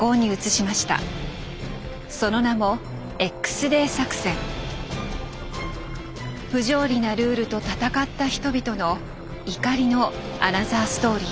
その名も不条理なルールと闘った人々の怒りのアナザーストーリー。